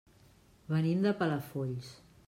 Venim de Palafolls.